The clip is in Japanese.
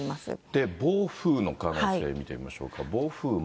で、暴風の可能性について見てみましょうか、暴風も。